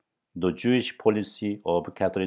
THE JEWISH POLICY OF CATHERINE II.